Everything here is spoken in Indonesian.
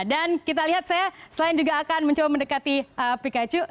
dan kita lihat saya selain juga akan mencoba mendekati pikachu